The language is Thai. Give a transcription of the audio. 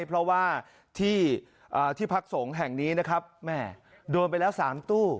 เพราะว่าที่พักสงฆ์แห่งนี้นะครับแม่โดนไปแล้ว๓ตู้